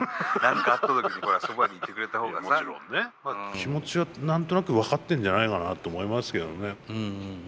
気持ちは何となく分かってんじゃないかなって思いますけどね。